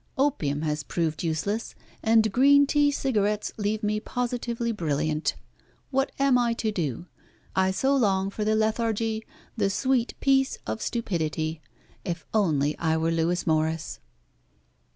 Opium has proved useless, and green tea cigarettes leave me positively brilliant. What am I to do? I so long for the lethargy, the sweet peace of stupidity. If only I were Lewis Morris!"